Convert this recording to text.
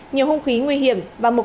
nhiều hung khí nguy hiểm